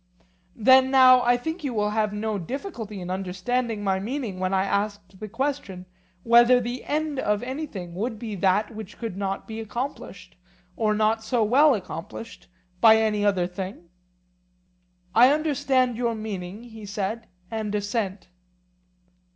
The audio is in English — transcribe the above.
Then now I think you will have no difficulty in understanding my meaning when I asked the question whether the end of anything would be that which could not be accomplished, or not so well accomplished, by any other thing? I understand your meaning, he said, and assent.